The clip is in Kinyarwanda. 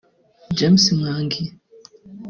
James Mwangi